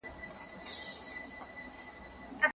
لټ پر لټ اوړمه د شپې، هغه مې بيا ياديږي